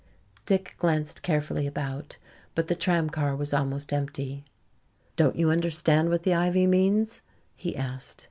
Dick glanced carefully about, but the tram car was almost empty. "Don't you understand what the ivy means?" he asked.